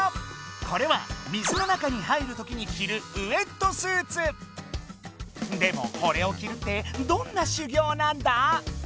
これは水の中に入るときに着るでもこれを着るってどんな修行なんだ？